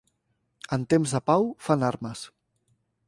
En temps de pau, fan armes.